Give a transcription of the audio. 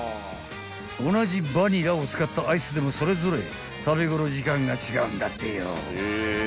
［同じバニラを使ったアイスでもそれぞれ食べ頃時間が違うんだってよ］